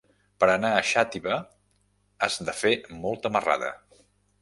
Per anar a Xàtiva has de fer molta marrada.